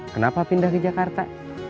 kenapa pindah ke jakarta